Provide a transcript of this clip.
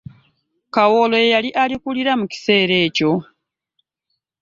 Kawolo ye yali alikulira mu kiseera ekyo.